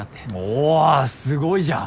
おぉすごいじゃん。